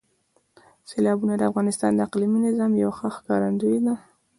سیلابونه د افغانستان د اقلیمي نظام یو ښه ښکارندوی ده.